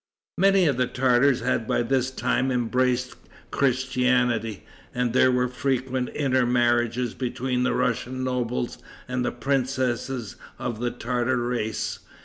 Many of the Tartars had by this time embraced Christianity, and there were frequent intermarriages between the Russian nobles and princesses of the Tartar race.